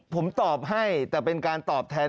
ผมตอบให้แต่เป็นการตอบแทน